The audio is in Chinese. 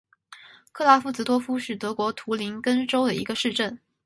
克拉夫茨多夫是德国图林根州的一个市镇。